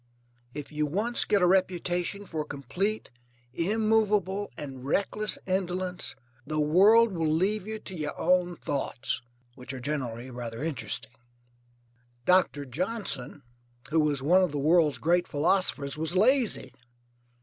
If you once get a reputation for complete, immovable, and reckless indolence the world will leave you to your own thoughts, which are generally rather interesting. Doctor Johnson, who was one of the world's great philosophers, was lazy.